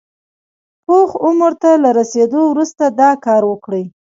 پوخ عمر ته له رسېدو وروسته دا کار وکړي.